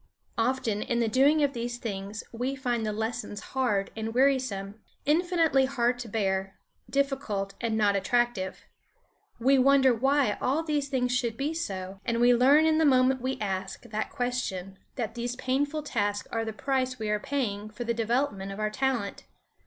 Often in the doing of these things we find the lessons hard and wearisome, infinitely hard to bear, difficult, and not attractive. We wonder why all these things should be so, and we learn in the moment we ask that question that these painful tasks are the price we are paying for the development of our talent.